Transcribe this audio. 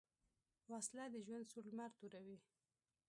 وسله د ژوند سور لمر توروي